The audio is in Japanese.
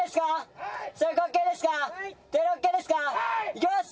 ・いきます